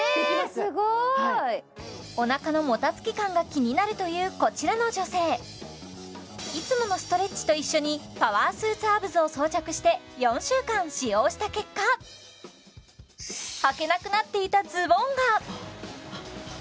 お腹のもたつき感が気になるというこちらの女性いつものストレッチと一緒にパワースーツアブズを装着して４週間使用した結果あっはけますね